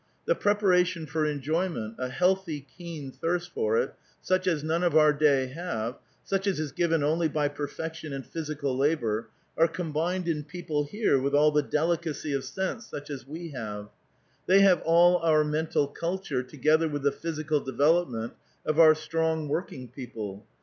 The preparation for enjoyment, a healthy, keen thirst for it, such as none of our day have, such as is given only by perfect and physical labor, are combined in people here with all the delicacy of sense such as we have. They have all our mental culture together with the physical development of our strong working people.